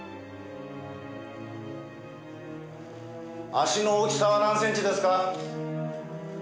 足の大きさは何センチですか？